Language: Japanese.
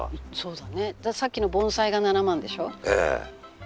だってさっきの盆栽が７万でしょ。